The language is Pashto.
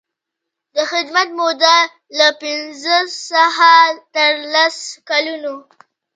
د خدمت موده له پنځه څخه تر لس کلونو.